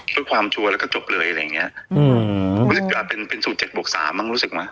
ด้วยความชัวร์แล้วก็จบเลยอะไรอย่างเงี้ยอือมันก็จะเป็นเป็นสูตรเจ็ดบวกสามมันรู้สึกไหม